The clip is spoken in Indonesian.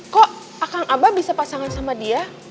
kok akan apa bisa pasangan sama dia